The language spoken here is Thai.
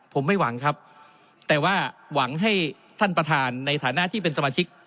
ผมไม่หวังครับแต่ว่าหวังให้ท่านประธานในฐานะที่เป็นสมาชิก